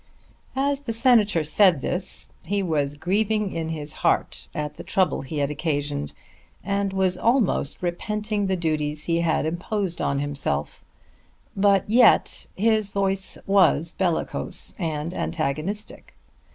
As the Senator said this he was grieving in his heart at the trouble he had occasioned, and was almost repenting the duties he had imposed on himself; but, yet, his voice was bellicose and antagonistic.